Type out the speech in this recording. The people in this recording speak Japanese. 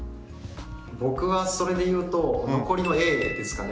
僕はそれでいうと残りのＡですかね。